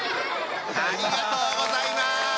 ありがとうございます！